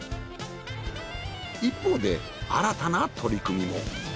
一方で新たな取り組みも。